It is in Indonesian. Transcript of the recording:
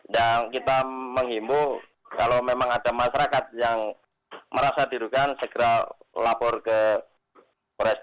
dan kita mengimbuh kalau memang ada masyarakat yang merasa dirugan segera lapor ke polres depok